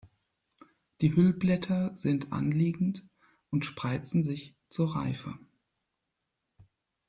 Die Hüllblätter sind anliegend und spreizen sich zur Reife.